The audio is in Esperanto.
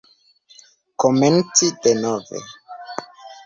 Komenci denove.